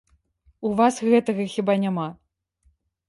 У вас гэтага, хіба, няма?